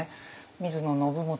水野信元